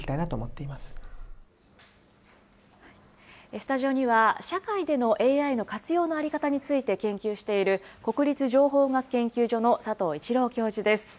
スタジオには、社会でのＡＩの活用の在り方について研究している、国立情報学研究所の佐藤一郎教授です。